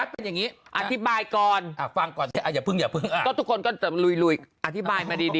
พิ้งนะ